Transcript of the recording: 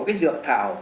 cái dược thảo